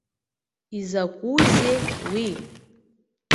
Изакәызеи уи?